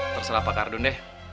terserah pak kardun deh